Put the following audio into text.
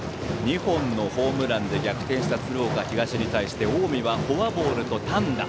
２本のホームランで逆転した鶴岡東に対して近江はフォアボールと単打。